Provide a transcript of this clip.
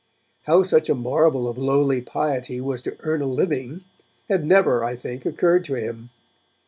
How such a marvel of lowly piety was to earn a living had never, I think, occurred to him.